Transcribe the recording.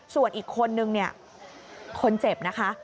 ส่วนอีกคนนึงเนี่ยคนเจ็บนะคะ